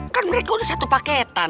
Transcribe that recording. kan mereka udah satu paketan